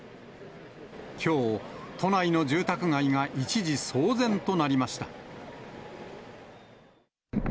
きょう、都内の住宅街が一時騒然となりました。